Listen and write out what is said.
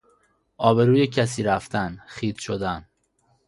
آبروی کسی رفتن، خیط شدن